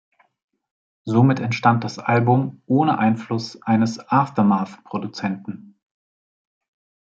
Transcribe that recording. Somit entstand das Album ohne Einfluss eines "Aftermath"-Produzenten.